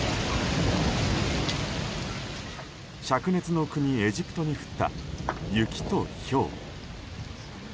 灼熱の国エジプトで降った雪とひょう。